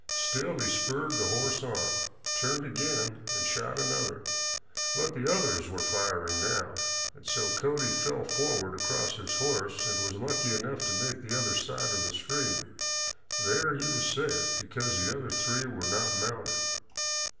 Still he spurred the horse on, turned again and shot another. But the others were firing now, and so Cody fell forward across his horse and was lucky enough to make the other side of the stream. There he was safe, because the other three were not mounted.